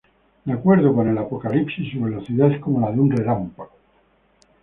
De acuerdo con el Apocalipsis su velocidad es como la de un relámpago.